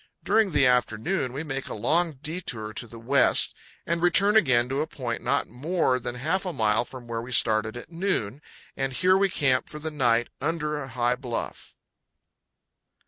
During the afternoon we make a long detour to the west and return again to a point not more than half a mile from where we started at noon, and here we camp for the night under a high bluff.